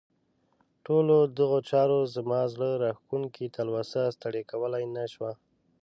ټولو دغو چارو زما زړه راښکونکې تلوسه ستړې کولای نه شوه.